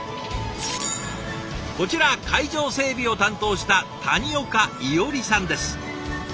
こちら会場整備を担当した谷岡伊織さんです。